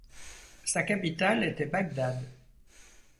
Sa capitale était Bagdad.